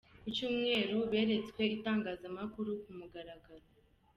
Ku cyumweru beretswe itangazamakuru ku mugaragaro.